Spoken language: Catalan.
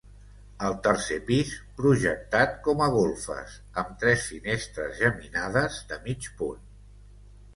El tercer pis, projectat com a golfes, amb tres finestres geminades de mig punt.